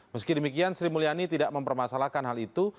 meski demikian sri mulyani tidak mempermasalahkan hal itu